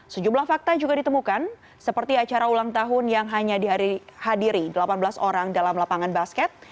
sejumlah fakta juga ditemukan seperti acara ulang tahun yang hanya dihadiri delapan belas orang dalam lapangan basket